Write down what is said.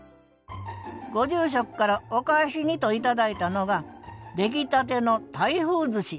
ご住職からお返しにと頂いたのが出来たての台風ずし